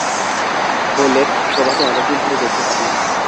বললেন, তোমাকে অনেকদিন ধরে দেখতেছি।